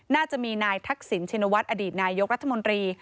น่าจะมีนายทักษิณชินวัฒน์อดีตนายกรัฐมนตรี